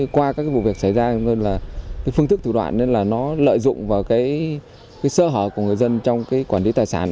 quá các vụ việc xảy ra phương thức thủ đoạn nên nó lợi dụng vào cái sơ hở hồ của người dân trong quản lý tài sản